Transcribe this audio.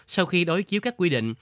sau khi đối chiếu các quy định